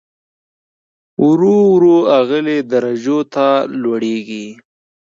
ورو ورو اعلی درجو ته لوړېږي.